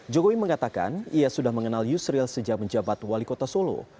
jokowi mengatakan ia sudah mengenal yusril sejak menjabat wali kota solo